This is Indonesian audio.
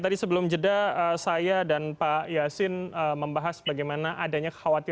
tadi sebelum jeda saya dan pak yasin membahas bagaimana adanya khawatir